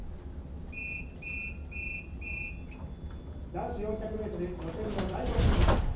男子４００ｍ予選の第５組です。